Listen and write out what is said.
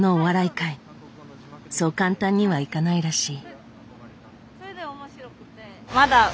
そう簡単にはいかないらしい。